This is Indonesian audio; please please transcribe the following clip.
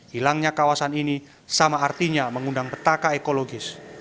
hilangnya kawasan ini sama artinya mengundang petaka ekologis